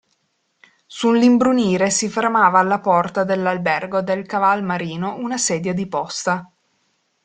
Sull'imbrunire si fermava alla porta dell'Albergo del Caval Marino una sedia di posta.